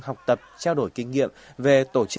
học tập trao đổi kinh nghiệm về tổ chức